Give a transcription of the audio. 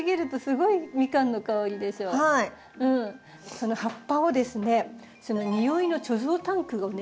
その葉っぱをですね匂いの貯蔵タンクをね